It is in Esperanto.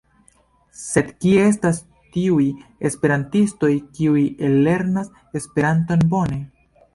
Sed kie estas tiuj esperantistoj kiuj ellernas Esperanton bone?